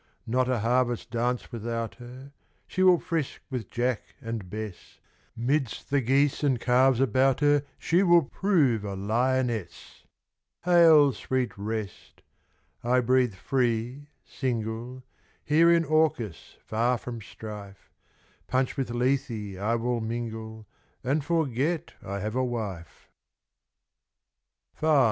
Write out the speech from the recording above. Not a harvest dance without her, She will frisk with Jack and Bess; Midst the geese and calves about her She will prove a lioness. Hail, sweet rest! I breathe free, single, Here in Orcus far from strife, Punch with Lethe I will mingle, And forget I have a wife. V.